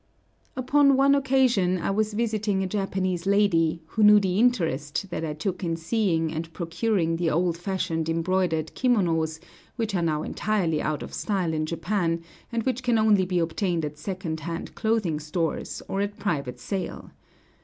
Upon one occasion I was visiting a Japanese lady, who knew the interest that I took in seeing and procuring the old fashioned embroidered kimonos, which are now entirely out of style in Japan, and which can only be obtained at second hand clothing stores, or at private sale.